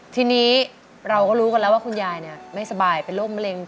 ทีนี้เราก็รู้กันแล้วว่าคุณยายไม่สบายเป็นโรคมะเร็ง